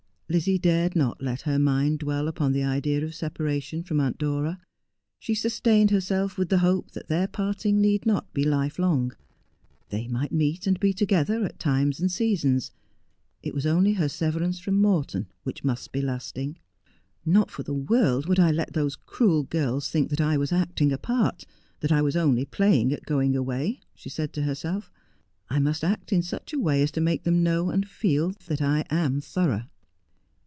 Lizzie dared not let her mind dwell upon the idea of separation from Aunt Dora. She sustained herself with the hope that their parting need not be life long. They might meet and be together at times and seasons. It was only her severance from Morton which must be lasting. ' Not for the world would I let those cruel girls think that I ■was acting a part — that I was only playing at going away,' she said to herself. ' I must act in such a way as to make them know and feel that I am thorough.'